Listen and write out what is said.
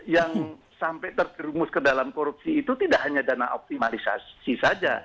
yang sampai tergerumus ke dalam korupsi itu tidak hanya dana optimalisasi saja